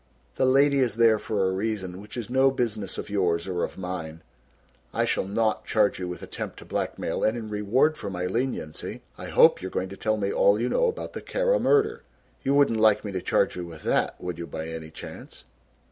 The lady is there for a reason which is no business of yours or of mine. I shall not charge you with attempt to blackmail and in reward for my leniency I hope you are going to tell me all you know about the Kara murder. You wouldn't like me to charge you with that, would you by any chance!"